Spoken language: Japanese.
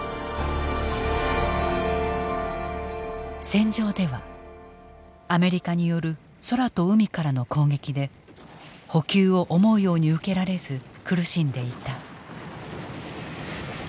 戦場ではアメリカによる空と海からの攻撃で補給を思うように受けられず苦しんでいた。